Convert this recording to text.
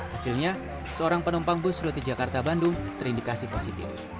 hasilnya seorang penumpang bus rute jakarta bandung terindikasi positif